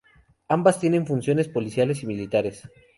Ambas tienen funciones policiales y militares.